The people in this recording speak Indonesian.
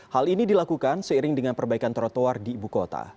hal ini dilakukan seiring dengan perbaikan trotoar di ibu kota